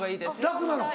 楽なの？